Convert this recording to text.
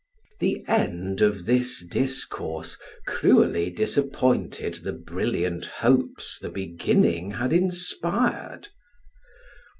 The end of this discourse cruelly disappointed the brilliant hopes the beginning had inspired.